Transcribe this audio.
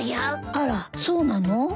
あらそうなの？